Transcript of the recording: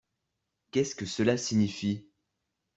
Qu’est-ce que cela signifie?